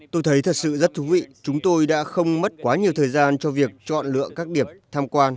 tôi thấy thật sự rất thú vị chúng tôi đã không mất quá nhiều thời gian cho việc chọn lựa các điểm tham quan